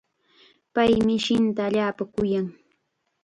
Pay mishinta allaapam kuyan.